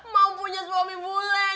mau punya suami bule